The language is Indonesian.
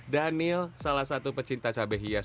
daniel salah satu pecinta cabai hias